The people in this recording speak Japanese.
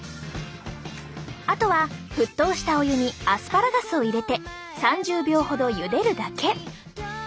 あとは沸騰したお湯にアスパラガスを入れて３０秒ほどゆでるだけ。